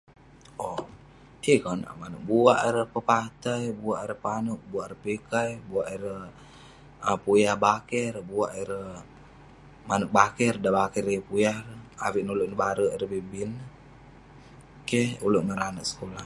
Owk, yeng eh konak manouk. Buak ireh pepatai, buak ireh panouk, buak ireh pikai, buak ireh um puyah bakeh ireh, buak ireh manouk bakeh ireh, dan bakeh ireh yeng puyah ireh. Avik ulouk nebare ireh bi bi neh. Keh ulouk ngan ireh anag sekulah.